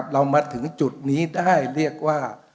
เรามาถึงจุดนี้ได้เรียกว่า